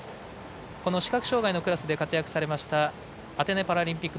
この視覚障がいのクラスで活躍されましたアテネパラリンピック